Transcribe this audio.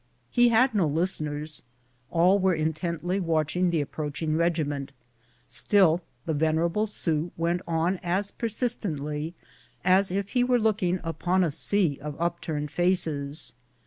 He had no listen ers — all were intently watching the approaching regi ment ; still the venerable Sioux went on as persistently as if he were looking " upon a sea of upturned faces."